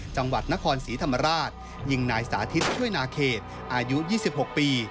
จังหวัดนครศรีธรรมราชยิงนายสาธิตช่วยนาเขตอายุ๒๖ปี